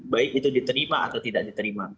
baik itu diterima atau tidak diterima